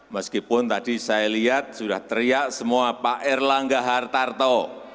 meskipun tadi saya lihat sudah teriak semua pak erlangga hartarto